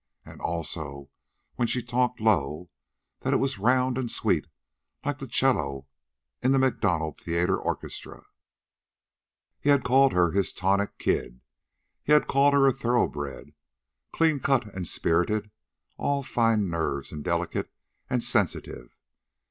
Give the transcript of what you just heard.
And, also, when she talked low, that it was round and sweet, like the 'cello in the Macdonough Theater orchestra. He had called her his Tonic Kid. He had called her a thoroughbred, clean cut and spirited, all fine nerves and delicate and sensitive.